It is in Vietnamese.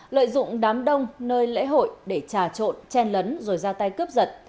lợi dụng đám đông nơi lễ hội để trà trộn chen lấn rồi ra tay cướp giật